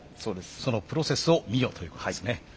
そのプロセスを見よということですね。